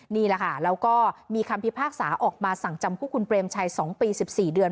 นี่แหละค่ะแล้วก็มีคำพิพากษาออกมาสั่งจำคุกคุณเปรมชัย๒ปี๑๔เดือน